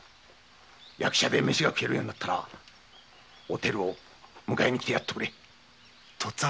役者で飯が食えるようになったらおてるを迎えにきてやっとくれ。とっつぁん！